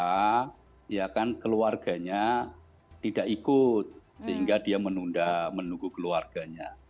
keluarga ya kan keluarganya tidak ikut sehingga dia menunda menunggu keluarganya